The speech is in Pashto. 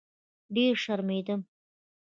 ډېره شرمېدم.